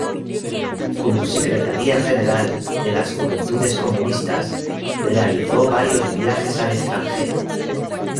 Como secretaria general de las Juventudes Comunistas realizó varios viajes al extranjero.